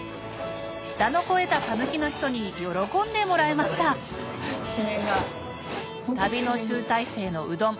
舌の肥えた讃岐の人に喜んでもらえました旅の集大成のうどん